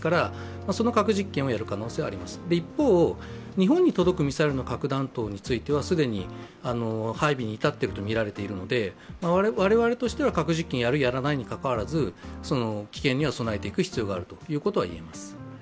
その核実験をやる可能性はあります、一方、日本に届く核弾頭については既に配備に至っているとみられているので、我々としては核実験やるやらないにかかわらず危険には備えていく必要があると思います。